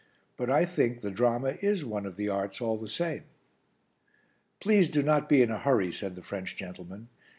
But I think the drama is one of the arts all the same." "Please do not be in a hurry," said the French gentleman.